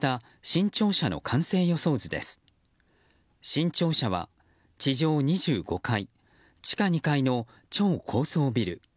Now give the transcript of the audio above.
新庁舎は地上２５階地下２階の超高層ビル。